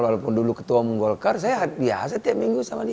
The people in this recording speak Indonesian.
walaupun dulu ketua umum golkar saya biasa tiap minggu sama dia